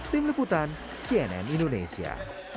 tim leputan cnn indonesia